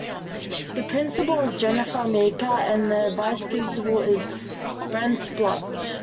The principal is Jennifer Meeker and the vice-principal is Brent Bloch.